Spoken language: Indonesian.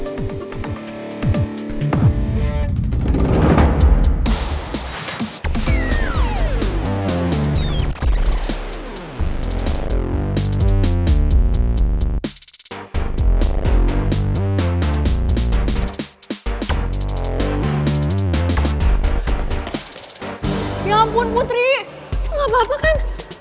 ya ampun putri gak apa apa kan